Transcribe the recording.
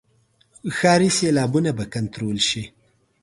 ښاري سیلابونه به کنټرول شي.